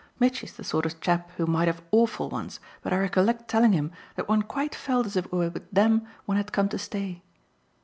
"Mitchy's the sort of chap who might have awful ones, but I recollect telling him that one quite felt as if it were with THEM one had come to stay.